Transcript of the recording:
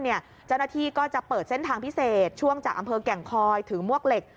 เจ้าหน้าที่ก็จะเปิดเส้นทางพิเศษช่วงจากอำเภอแก่งคอยถือมวกเหล็ก